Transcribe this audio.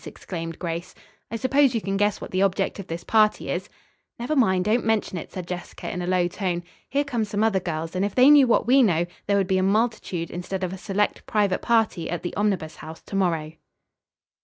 exclaimed Grace. "I suppose you can guess what the object of this party is." "Never mind, don't mention it," said Jessica in a low tone. "Here come some other girls, and if they knew what we know, there would be a multitude instead of a select, private party at the Omnibus House to morrow."